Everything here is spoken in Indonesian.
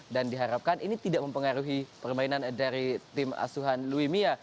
diharapkan ini tidak mempengaruhi permainan dari tim asuhan luimia